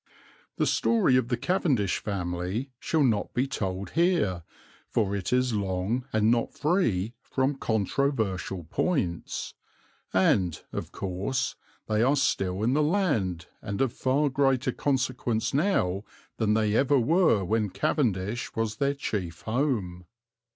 The story of the Cavendish family shall not be told here, for it is long, and not free from controversial points, and, of course, they are still in the land and of far greater consequence now than they ever were when Cavendish was their chief home.